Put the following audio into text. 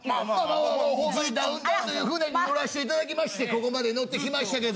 ああダウンタウンという船に乗らして頂きましてここまで乗ってきましたけど。